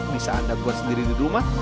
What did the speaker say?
bisa anda buat sendiri di rumah